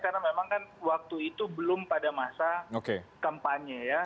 karena memang kan waktu itu belum pada masa kampanye ya